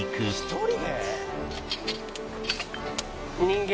「１人で！？」